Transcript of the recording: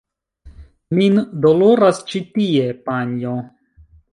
Min doloras ĉi tie, panjo!